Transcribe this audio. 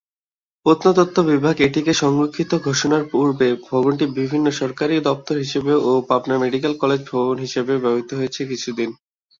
প্রত্নতত্ত্ব বিভাগ এটিকে সংরক্ষিত ঘোষণার পূর্বে ভবনটি বিভিন্ন সরকারি দপ্তর হিসেবে ও পাবনা মেডিকেল কলেজের ভবন হিসেবেও ব্যবহৃত হয়েছে কিছুদিন।